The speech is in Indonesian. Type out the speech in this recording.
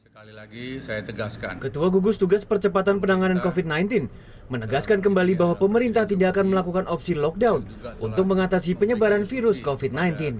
ketua gugus tugas percepatan penanganan covid sembilan belas menegaskan kembali bahwa pemerintah tidak akan melakukan opsi lockdown untuk mengatasi penyebaran virus covid sembilan belas